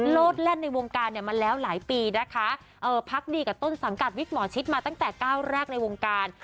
โลดแล่นในวงการเนี่ยมาแล้วหลายปีนะคะพักดีกับต้นสังกัดวิกหมอชิดมาตั้งแต่ก้าวแรกในวงการ